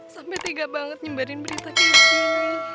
sampai tegak banget nyebarin berita kayak gini